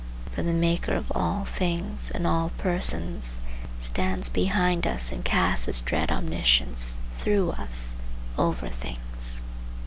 For the Maker of all things and all persons stands behind us and casts his dread omniscience through us over things.